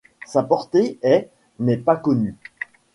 Sa portée est n'est pas connue.